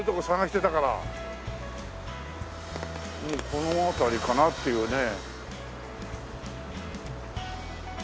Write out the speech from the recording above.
この辺りかなっていうね。